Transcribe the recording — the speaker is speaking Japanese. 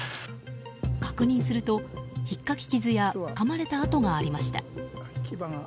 確認すると、ひっかき傷やかまれた痕がありました。